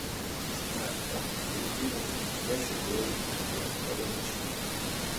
Si tratta del primo film slasher gay della storia del cinema.